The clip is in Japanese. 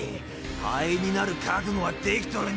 灰になる覚悟はできとるん